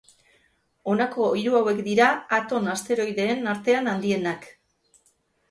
Honako hiru hauek dira Aton asteroideen artean handienak.